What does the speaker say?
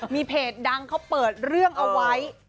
มีเพจดังเขาเปิดเรื่องเอาไว้